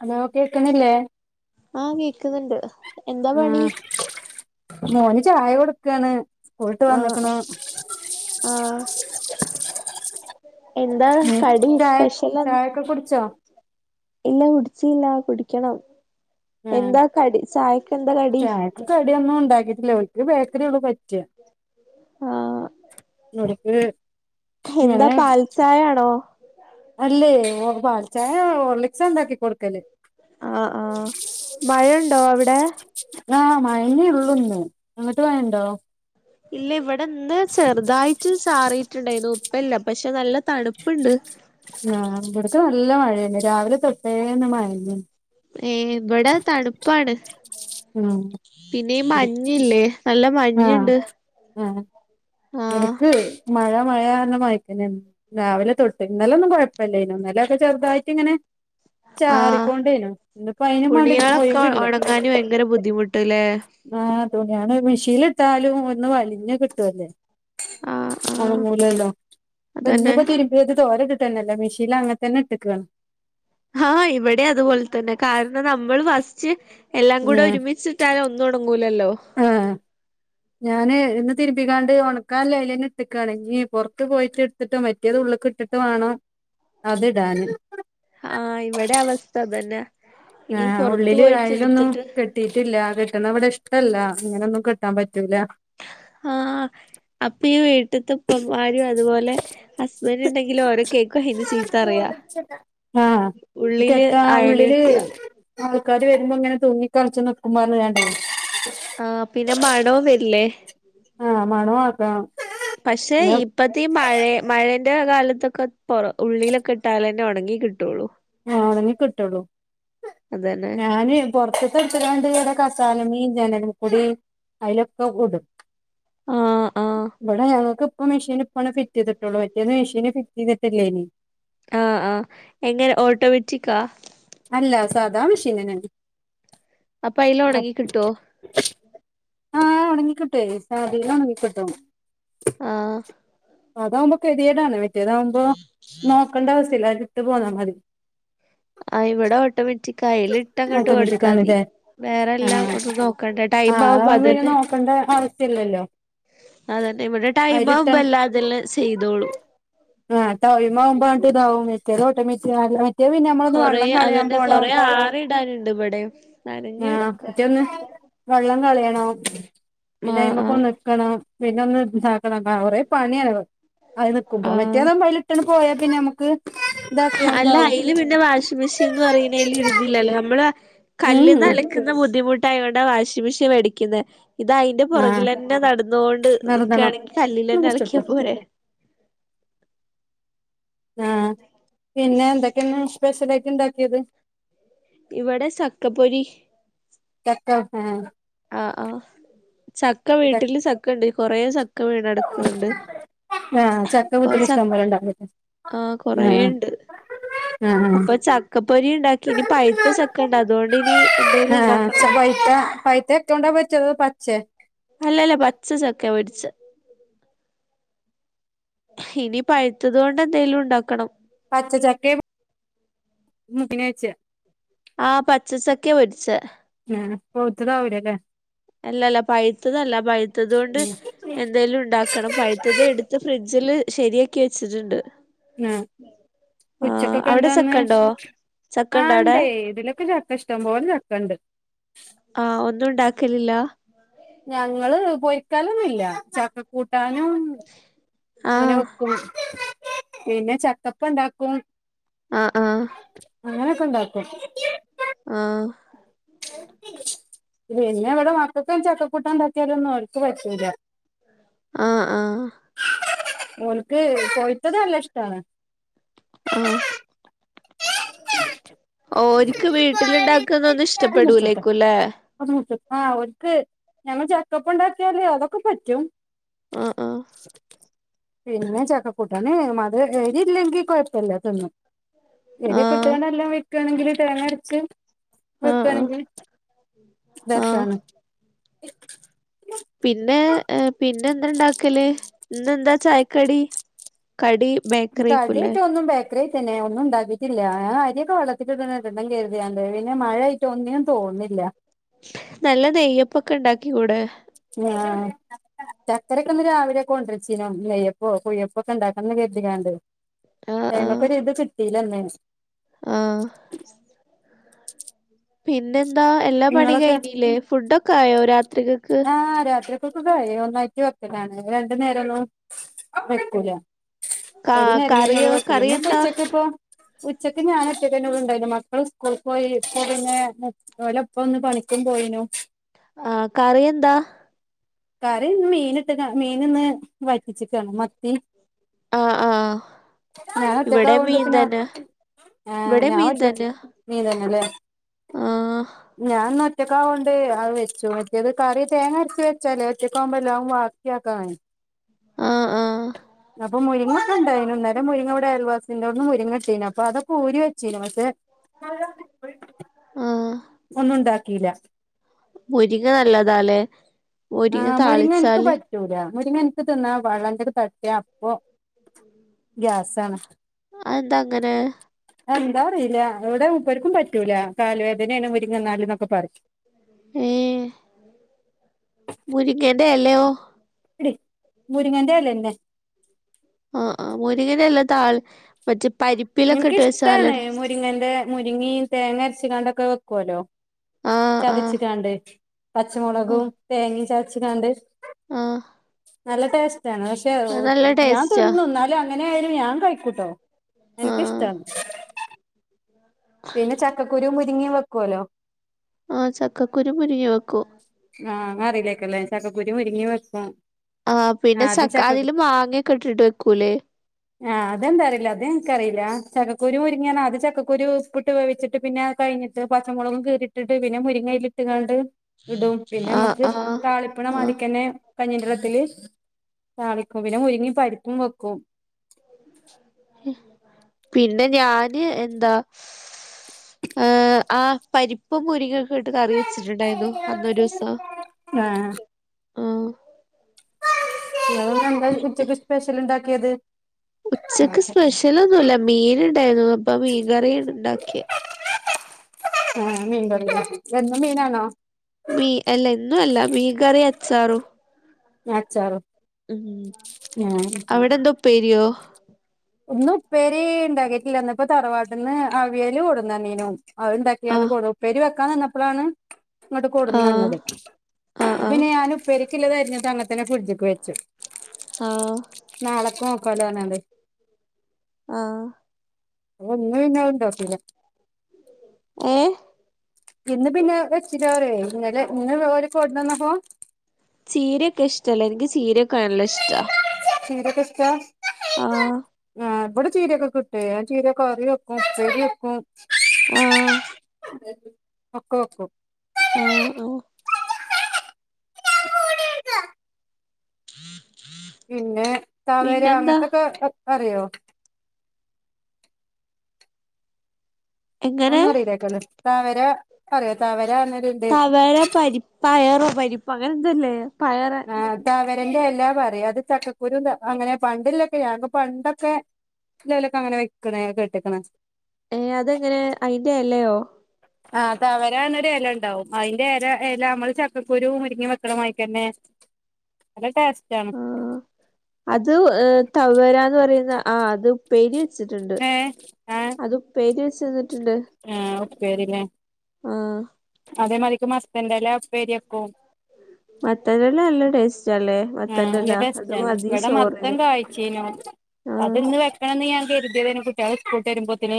Hello കേക്കണില്ലേ ആഹ് കേക്കുന്നുണ്ട് എന്താ ഉം പണി മോന് ചായ കൊടുക്കാണ് സ്കൂളിട്ട് ആഹ് ആഹ് വന്നേക്കണു ആഹ് എന്താ ഉം കടി ചായ സ്പെഷ്യല് ചായൊക്കെ കുടിച്ചോ ഇല്ല കുടിച്ചീല്ല കുടിക്കണം ആഹ് എന്താ കടി ചായക്ക് എന്താ കടി ചായക്ക് കടിയൊന്നും ഉണ്ടാക്കിയിട്ടില്ല ഓൾക്ക് ബേക്കറിയുള്ളു പറ്റുക ആഹ് ഓര്ക്ക് എന്താ പാൽചായ ആണോ അല്ലേ പാൽ ചായ ഹോർലിക്ക്സാ ഉണ്ടാക്കി കൊടുക്കല് ആഹ് ആഹ് മഴുയുണ്ടോ അവിടെ ആഹ് മഴയേ ഉള്ളൂന്നെ അങ്ങട്ട് മഴയുണ്ടോ ഇല്ല ഇവിടിന്ന് ചെറുതായിട്ട് ചാറിയിട്ടുണ്ടായിരുന്നു ഇപ്പില്ല പക്ഷെ നല്ല തണുപ്പുണ്ട് ആഹ് ഇവിടുത്തെ നല്ല മഴയന്നെ രാവിലെ തൊട്ടേ മഴയാണ് ഈ ഇവടെ തണുപ്പാണ് ഉം പിന്നെ ഈ ഇവട് മഞ്ഞില്ലേ നല്ല ആഹ് മഞ്ഞുണ്ട് ആഹ് ആഹ് ഇടക്ക് മഴ മഴാന്ന് [unintelligible] രാവിലെ തൊട്ട് ഇന്നലൊന്നും കൊഴപ്പില്ലേനു ഇന്നലൊക്കെ ചെറുതായിട്ടിങ്ങനെ. ആഹ് ചാറിക്കൊണ്ടേനു ഇന്നിപ്പോ അയിനുമാണ്ട് ഒഴിവില്ല. അവന് ഭയങ്കര ബുദ്ധിമു ട്ടീലെ. ആഹ് തുണിയാണ്. മെഷീലിട്ടാലും ഒന്ന് വലിഞ്ഞ് കിട്ടുവല്ലോ ആഹ് ആഹ് ഒണങ്ങുലല്ലോ. ഇപ്പം അതന്നെ ഇന്നിപ്പ തീരും ഇത് തോരെ കിട്ടണ്ണില്ല മെഷീനില് അങ്ങനെ തന്നെ ഇട്ടക്കുവാ ആഹ് ഇവിടെ അതുപോലെ തന്നെ. കാരണം നമ്മൾ ഫസ്റ്റ് എല്ലാം കൂടെ ഉം ഒരുമിച്ച് ട്ടാല് ഒന്നും ഒണങ്ങൂലല്ലോ. ആഹ് ഞാന് ഇന്ന് തിരുപ്പിക്കാണ്ട് ഉണക്കാൻ [unintelligible] ഇട്ടക്കാണ്. ഇനിപുറത്ത് പോയിട്ട് കിട്ടും മറ്റെത് ഉള്ളക്ക് ഇട്ടിട്ട് വേണം അതിടാന് ആഹ് ഇവിടെ അവസ്ഥ അതുതന്നെ ആഹ്. ഉള്ളില് അയിലൊന്നും ക കിട്ടിട്ടില്ല. കിട്ടുന്ന ഇവിടെ ഇഷ്ടല്ല അങ്ങനെയൊന്നും കിട്ടാൻ പറ്റൂല. ആഹ് അപ്പൊ ഈ വീട്ടത്തെ [unintelligible] അതുപോലെ ഇവര് ഉണ്ടെങ്കിലും അവിടെ കേക്കും. [unintelligible] ചീത്ത പറയുവ ആഹ് കെട്ടാ ഉള്ളില് ആൾക്കാര് വരുമ്പൊ ഇങ്ങനെ തൂങ്ങി കൾച്ച് നിക്കും. [unintelligible] ആഹ് പിന്നെ മണവും വരില്ലേ. ആഹ് മണം ആക്കണം പക്ഷെ ന്നാ ഇപ്പഴത്തെ മഴയ മഴേന്റെ കാലത്തൊക്കെ പറ ഉള്ളിലൊക്കെ ഇട്ടാലെ തന്നെ ഉണങ്ങി കിട്ടുള്ളു ആഹ് ഉണങ്ങി കിട്ടുള്ളൂ. അതന്നെ ഞാന് പുറത്ത് [unintelligible] ആഹ് ആഹ് ഇവിടെ ഞങ്ങൾക്ക് ഇപ്പ മെഷീന് [unintelligible] ഫിറ്റ് ചെയ്തിട്ടുള്ളോ. മറ്റേത് മിഷന് ഫിറ്റ് ചെയ്തിട്ടില്ലേ ഇനി ആഹ് ആഹ് എങ്ങനെ ഓട്ടോമാറ്റിക്കാ. അല്ല സാധാ മഷീനനണ്ട്. അപ്പൊ അയില് ഉണങ്ങി കിട്ടുവോ. ആഹ് ഉണങ്ങിക്കിട്ടുവെ. [unintelligible] ഉണങ്ങിക്കിട്ടും. ആഹ് അതാവുമ്പോ കെരിയേടാണ്. മറ്റേതാകുമ്പോ നോക്കേണ്ട ആവശ്യയില്ല. ഇട്ട് പോന്നാൽ മതി, ആഹ് ഇവിടെ ഓട്ടോമാറ്റിക് കൈയ്യിൽ ഇട്ടങ്ങോട്ട് കൊടുത്താ മതി. ഓട്ടോമാറ്റിക്കാണ്ല്ലേ വേറെ എല്ലാം ആഹ് ഒന്നും നോക്കണ്ടേ. ടൈം ആവുമ്പോ അതന്നെ [unintelligible] ആവശ്യ ഇല്ലല്ലോ. അതന്നെ. ഇവിടെ ടൈം ആവുമ്പോ എല്ലാം അതെല്ലാം ചെയ്തോളൂ. ആഹ്. ടൈമാവുമ്പോ ഇതാവും. മറ്റേത് ഓട്ടോമറ്റിക്ക മറ്റേത് പിന്നെ നമ്മളൊന്ന് വെള്ളം കളയാൻ പോകണം. [unintelligible] ഇടാനുണ്ട് ഇവിടെയും. നനഞ്ഞ് ആഹ് കെടക്കാ പിറ്റേന്ന് വെള്ളം കളയണം പിന്നെ ആഹ് ആഹ് [unintelligible] നിക്കണം. പിന്നൊന്ന് [unintelligible] കുറെ പണിയാണ് അത്. നിൽക്കുമ്പോ ആഹ് മറ്റേത് [unintelligible] പോയാ പിന്നെ നമുക്ക് അല്ല ഇതാക്കിയാണ്ടാവും അതില് പിന്നെ വാഷിംഗ് മെഷീൻ എന്ന് പറയുന്നതില് ഇതില്ലല്ലോ. നമ്മള് കല്ലുന്ന് ഉം അല ക്കുന്ന ബുദ്ധിമുട്ടായത് കൊണ്ടാ വാഷിംഗ് മെഷീൻ മേടിക്കുന്നെ. ഇത് അതിന്റെ ആഹ് പുറകിൽ തന്നെ നടന്നുകൊണ്ട് നിർതണം നിക്കുകയാണെങ്കിൽ കല്ലിൽ ഒന്ന് തന്നെ അലക്കിയാ മുറിച്ചൊടുത്തോ പോരെ. ആഹ് പിന്നെ എന്തൊക്കെയാണ് സ്പെഷ്യല്. ആയിട്ട് ഇണ്ടാക്കിയത്. ഇവിടെ സക്കപൊരി. ചക്ക [unintelligible] ആഹ് ആഹ്. ചക്ക വീട്ടില് ചക്ക ഉണ്ട്. കുറേ ചക്ക വീണ് കിടക്കുന്നുണ്ട്. ആഹ്. ചക്ക വീട്ടിലിഷ്ടം പോല ഉണ്ടാവട്ടെ ആഹ് ആഹ്.. കൊറേണ്ട് അപ്പൊ ചക്കപ്പൊരി ഉണ്ടാക്കി. ഇനി പഴുത്ത ആഹ് ചക്ക ഉണ്ട് അതുകൊണ്ട് ഇനി എന്തേലും ഉണ്ടാക്കണം. പപ ഴുത്ത പഴുത്ത ചക്കെ കൊണ്ട പൊരിച്ചത്. അതോ പച്ച അല്ലല്ല പച്ച ചക്കയാ പൊരിച്ച ഇനി പഴുത്തത് കൊണ്ട് എന്തേലും ഉണ്ടാക്കണം. പച്ചച്ചക്കേം [unintelligible] ആഹ് പച്ചച്ചക്കെ പൊര്ച്ചേ. ഏഹ് പൊവുത്തതാവൂലലേ. അല്ലല്ല പഴുത്തതല്ല പഴുത്തതോണ്ട് ഉം എന്തേലുണ്ടാ ക്കണം. പഴുത്തത് എടുത്ത് ഫ്രിഡ്ജില് ശരിയാക്കി വെച്ചിട്ട്ണ്ട്. ആഹ് ഉച്ചക്കൊക്കെ അവിടെ എന്താന്ന്? ചക്കണ്ടോ ചക്കണ്ടോ ആഹ് അവിടെ ഇണ്ടേ ഇബലൊക്കെ ചക്കഷ് ട്ടംപോലെ ചക്കണ്ട്. ആഹ് ഒന്നുണ്ടാക്കലില്ലാ? ഞങ്ങള് പൊരിക്കലൊന്നില്ല. ച കൂട്ടാനും അങ്ങനെ ആഹ് വെക്കും. പിന്നെ ചക്കപ്പണ്ടാക്കും. ആഹ് ആഹ് അങ്ങന്യൊക്കണ്ടാക്കും. ആഹ് പിന്നെ ഇവടെ മക്കക്കൊന്നും ചക്കക്കൂട്ടാൻ ണ്ടാക്കിയാലൊന്നും ഓര്ക്ക് പറ്റൂല. ആഹ് ആഹ് ഓൽക്ക് പൊയിത്തത് നല്ലഷ്ട്ടാണ്. ആഹ് ഓര്ക്ക് വീട്ടിലിണ്ടാക്കുന്നൊന്നും ഇഷ്ടപ്പെടൂലേക്കുല്ലേ. ആഹ് ഓര്ക്ക് ഞമ്മള് ചക്കപ്പം ഇണ്ടാക്ക്യാല് അതൊക്കെപറ്റും. ആഹ് ആഹ്. പിന്നെ ചക്കക്കൂട്ടാന് മത് എരില്ലെങ്കി കൊഴപ്പല്ല തിന്നും. ആഹ് എര്യൊക്ക്ട്ട്ങ്ങാണ്ടല്ലോം വെക്കാണെങ്കില് തേങ്ങ അരച്ച് ആഹ് വെക്കാണെങ്കി ആഹ് ആഹ് രസാണ്. പിന്നെ എഹ് പിന്നെന്ത ണ്ടാക്കല്? ഇന്നെന്താ ചായക്കടി? കടി ബേക്കറ്യേയ്കുല്ലേ. ക്കറിയായ്കറ്റെന്നെ. ഒന്നും ഇണ്ടാക്കീറ്റില്ല. ഞാൻ അരിയൊക്കെ വള്ളത്തിലിടണം ഇടണം കര്തിയാണ്ട് പിന്നെ മഴെയ് ട്ടൊന്നിനും തോന്നില്ല. നല്ല നെയ്യപ്പൊക്കെ ഇണ്ടാക്കികൂടെ? ആഹ് ചക്കരെക്ക്ന്ന് രാവിലെ കൊണ്ടര്ചീനു നെയ്യപ്പോ കുയ്യപ്പൊക്കെ ഇണ്ടാക്കണം ന്ന് കര്തിങ്ങാണ്ട്. ആഹ് ആഹ് അയ്മക്കൊരു ഇത് കിട്ടീല്ല ന്ന്. ആഹ് പിന്നെന്താ, എല്ലാ പണിം നിങ്ങളൊക്കെ കഴിഞ്ഞീല്ലേ? ഫുഡോക്കായോ രാത്രികക്ക്? തൊക്കൊക്കായി. ഒന്നായിറ്റ് വെക്കലാണ് രണ്ടു നേരൊന്നും വെക്കൂല. കാ ഒരു നേരം തന്നൊള്ളൂ കറിയോ വെക്കല്. ഇന്ന് പ്പൊ കറിയെന്താ ഉച്ചക്കിപ്പൊ ഉച്ചക്ക് ഞാനൊറ്റന്നൊള്ളൂ ഉണ്ടായിന്നത്. മക്കള് സ്കൂൾക്കോയി. അപ്പ പിന്നെ ഓലെ പ്പ വന്ന് പണിക്കും പോയിനു. ആഹ് കറിയെന്താ? കറി മീൻ ഇട്ട് കാ, മീന് ന്ന് വറ്റിച്ച്ക്കാണ് മത്തി. ആഹ് ആഹ് ഇവിടെ ഞാനൊറ്റക്കാവോണ്ട് മീൻ ഇപ്പ ഞാ തന്നെ ഏഹ് ഇവിടെ ഞാൻ മീൻ ഒറ്റക്, തന്നെ മീൻ തന്നെ ലേ. ആഹ് ഞാൻന്നൊ റ്റക്കാവോണ്ട് അഹ് വെച്ചു മറ്റേത്കറി തേങ്ങര്ച്ച് വെച്ചാലേ ഒറ്റയ്ക്കാവുമ്പോ എല്ലാവും ബാക്കിയാക്കാണേ. ആഹ് ആഹ് അപ്പം മുരിങ്ങൊക്കെ ഇണ്ടായിനു. ഇന്നലെ മുരിങ്ങ വടെ അയൽവാസിൻ്റോട്ന്ന് മുരിങ്ങട്ടീനു. അപ്പ അതൊക്കെ ഊരി വെച്ചീനു. പക്ഷെ [unintelligible] ആഹ് ഒന്നുണ്ടാക്കീല്ലാ മുരിങ്ങ നല്ലതാല്ലേ ആഹ് മുരിങ്ങ ഇൻക്ക് പറ്റൂലാ മുരിങ്ങ ഇൻക്ക് തിന്നാ പള്ളേമ്മില് തട്ടിയാ അപ്പൊ ഗ്യസാണ് അതെന്താ അങ്ങനെ അത് എന്താ അറീല്ലാ ഇവിടെ മുപ്പർക്കും പറ്റൂലാ കാല് വേദനേണ് മുരിങ്ങന്നാല് എന്നൊക്കെ പറയും ഏഹ് മുരിങ്ങേന്റെ എലയോ? ഇടി മുരിങ്ങന്റെലെന്നെ ആഹ് ആഹ് മുരിങ്ങന്റെല താൾ മറ്റേ പരിപ്പിലെക്കെട്ട് വെച്ചാ നല്ല ടെസ്റ്റാ ങ്ങന്റെ മുരിങ്ങിയും തേങ്ങരച്ച്ങ്ങാണ്ടൊക്കെ വെക്കുവല്ലോ ആ ആ ചതച്ച്ങ്ങാണ്ട് പച്ചമുളകും തേങ്ങയും ചതച്ച്ങ്ങാണ്ട് ആഹ് നല്ല ടേസ്റ്റാണ് പക്ഷേ നല്ല [unintelligible] ഞാൻ ടേസ്റ്റാ തിന്നും ഇന്നാലും അല്ല എങ്ങനെയാലും ഞാൻ കഴിക്കൂട്ടോ ആ എനിക്കിഷ്ട്ടാണ് പിന്നെ ചക്കക്കുരു മുരിങ്ങിയും വെക്കുല്ലോ ആഹ് ചക്കക്കുരു മുരിങ്ങി വെക്കും ആഹ് അങ്ങൻ അറിയില്ലാക്കൂല്ലേ ചക്കക്കുരും മുരുങ്ങി വെക്കും ആഹ് പിന്നെ ആദ്യം സക്ക് ചക്ക അതില് മാങ്ങയൊക്കെ ഇട്ടിട്ട് വെക്കൂല്ലേ ആഹ് അതെന്താ അറിയില്ല അത് എനക്ക്റിയില്ല ചക്കക്കുരു മുരിങ്ങാണ് അത് ചക്കകുരു ഉപ്പിട്ട് വേവിച്ചിട്ട് പിന്നെ അത് കഴിഞ്ഞിട്ട് പച്ചമുളകും കീറി ഇട്ടിട്ട് പിന്നെ മുരിങ്ങയില് ഇട്ട്ങ്ങാണ്ട് ഇടും പിന്നെ ആ നമ്മക്ക് ആ താളിപ്പണ ആ മാതിക്കന്നെ കഞ്ഞിന്റെള്ളത്തില് താളിക്കും പിന്നെ മുരിങ്ങി പരിപ്പും വെക്കും. പിന്നെ ഞാന് എന്താ ഏഹ് ആ പരിപ്പും മുരിങ്ങെക്കെട്ട് കറി വെച്ചിട്ടുണ്ടായിരുന്നു അന്നൊരുസം ആഹ് ഇങ്ങള് ഇന്നെന്താ പിന്നെ ഉച്ചക്ക് സ്പെഷ്യൽ ഇണ്ടാക്കിത്? ഉച്ചക്ക് സ്പെഷ്യൽ ഒന്നുല്ല മീൻ ഇണ്ടായിരുന്നു അപ്പൊ മീൻ കറിയാണ് ഇണ്ടാക്കിയെ ആഹ് മീൻകറില്ലേ എന്നും മീനാണോ മീൻ അല്ല എന്നും അല്ല മീകറിയും അച്ചാറും അച്ചാറും ഉം ആഹ് അവിടെന്താ ഉപ്പേരിയോ? ഇന്ന് ഉപ്പേരി ഇണ്ടാക്കീട്ടില്ലാ ഇന്ന്പ്പോ തറവാട്ടീന്ന് അവിയല് കൊടുന്ന് തന്നീനും അത്ണ്ടാക്കിയാണ് ആഹ് കൊട ഉപ്പേരി വെക്കാൻ നിന്നപ്പളാണ് ഇങ്ങട് ആഹ് കൊടുന്നന്നത് ആഹ് ആഹ് അപ്പപിന്നെ ഞാനുപ് ഉപ്പേരിക്കിള്ളതരിഞ്ഞിട്ട് അങ്ങൻ തന്നെ ഫ്രിഡ്ജ്ക്ക് വെച്ചു ആഹ് നാളക്ക് നോക്കാലോ ഓനത് ആഹ് ഓൻ ഇന്ന് പിന്നെ അത് ഇണ്ടാക്കൂല്ലേ ഏഹ് ഇന്ന് പിന്നെ വെച്ചിലാറി ഇന്നലെ ഇന്ന് ഓല് കൊണ്ടന്നപ്പോ ചീരയൊക്കെ ഇഷ്ട്ടല്ലേ ഇൻക്ക് ചീരയൊക്കെ നല്ല ഇഷ്ട്ടാ ചീരയെക്കെ ഇഷ്ട്ടാ? ആഹ് ആ ഇവിടെ ചീരയൊക്കെ കിട്ടേ ഞാൻ ചീര കറി വെക്കും ഉപ്പേരി വെക്കും ആഹ് ഉപ്പേരി ഒക്കെ വെക്കും ആഹ് ആഹ് ണ പിന്നെ താവേര പിന്നെന്താ അങ്ങനത്തൊക്കെ വെക്ക അറിയോ എങ്ങനെ അതൊന്നു അറിയില്ല വെക്കല് താവേര തവരെ പരി പയറ് പരിപ്പ് അങ്ങനെ എന്തോല്ലേ പയറ് ആ തവരന്റെ എലാ പറയും അത് ചക്കക്കുരുന്റെ അങ്ങനെ പണ്ടില്ലൊക്കെ ഞ പണ്ടൊക്കെ ഇതിന്റെ എലൊക്കെ അങ്ങനെ വെക്കണ കെട്ട്ക്കണ്. ഏ അതെങ്ങനെ അയിന്റെലയോ? ആ തവരണ്ണേടെ എലണ്ടാവും അയിന്റെ എല എല അമ്മള് ചക്കക്കുരു, മുരിങ്ങ, വെക്ണമായിരക്കന്നെ നല്ല ടെസ്റ്റ് ആണ് ആഹ് അത് ഏ തവരന്ന് പറയുന്ന ആ അത് ഉപ്പേരി വെച്ചിട്ട്ണ്ട് ഏ ആ അത് ഉപ്പെരി വെച്ച്ന്നിട്ട്ണ്ട്. ആ ഉപ്പേരില്ലേ അതേ മരിക്ക് മസ്തെന്റെല ഉപ്പേരി എക്കും. മത്തലെല്ലാ നല്ലാം ടേസ്റ്റ് അല്ലേ? ആ മത്തന്റെല നല്ല അത് ടെസ്റ്റ്ണ് മതി ഇവിടെ മത്തം ചോറിന് കാഴ്ച്ചേനോ ആഹ് അതൊന്ന് വെ വെക്കാണെന്ന് ഞാൻ കരുതിയത്യ്നു കുട്ടിയേള് സ്കൂൾട്ട് വരുമ്പോതിന്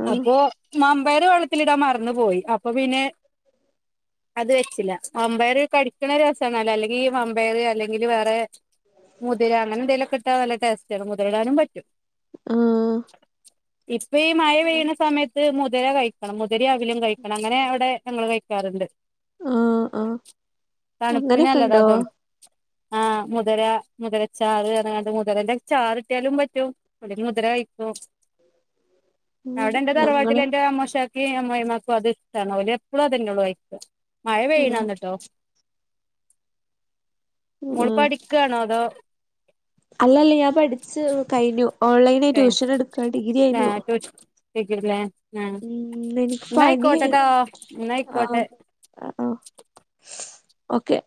ആഹ് അപ്പോ മാമ്പേർ വെള്ള ത്തിലിടാ മറന്ന് പോയി അപ്പൊ പിന്നെ അത് വെച്ചില്ല വമ്പയർ കടിക്കുന്ന ഒരു രസണല്ലോ അല്ലെങ്കി ഈ വാ മ്പാറ് അല്ലെങ്കിൽ വേറെ മുതിര അങ്ങനെ എന്തെലിലൊക്കെ ഇട്ടാ നല്ല ടേസ്റ്റ് ആണ് മുതിരിടാനും പറ്റും ആഹ് ഇപ്പ ഈ മഴ പെയ്യണ സമയ ത്ത് മുതിര കഴിക്കണം മുതിര, അവിലും, കഴിക്കണം അങ്ങനെ അവിടെ ഞങ്ങൾ കഴിക്കാറ്ണ്ട്. ആഹ് ആഹ് അങ്ങനെയൊക്കെ ഉണ്ടോ തണുപ്പിനല്ലതാതു ആ മുതിര മുതിര ചാറ് പർഞാണ്ട് മുതരന്റെ ചാർ ഇട്ടിയാലും പറ്റും. അല്ലെങ്കി മുതിര കയികു [unintelligible] ആഹ് അവിടെ എന്റെ ഞങ്ങള് തറവാട്ടിലെന്റെ അമ്മോശ ക്കെ അമ്മയിമാക്കും അത് ഇഷ്ടണ് അവര് എപ്പോഴും അതനോട് വൈകും മഴ ആഹ് പെയ്യണന്നട്ടോ ആഹ് മോൾപ്പടിക്കാണോ അതോ? അല്ലല്ല ഞാൻ പഠിച്ചു കഴിഞ്ഞു ഓൺലൈനി കഴിഞ്ഞ് ട്യൂഷൻ എടുക്ക ഡിഗ്രി കഴിഞ്ഞു കി ക്കില്ലേ ആഹ് ഉം എനിക്ക് പനിയായി എന്നയ്ക്കോട്ടേട്ടോ എന്നായിക്കോട്ടെ ആണോ ഓക്കെ